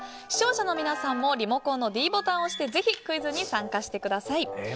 視聴者の皆さんもリモコンのｄボタンを押してぜひクイズに参加してください。